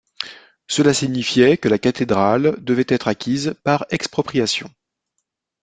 Cela signifiait que la cathédrale devait être acquise par expropriation.